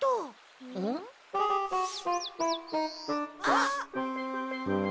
あっ！